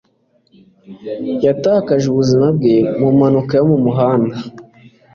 Yatakaje ubuzima bwe mu mpanuka yo mu muhanda.